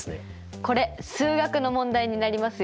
これ数学の問題になりますよね！